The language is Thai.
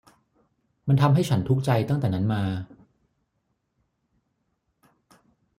มันทำให้ฉันทุกข์ใจตั้งแต่นั้นมา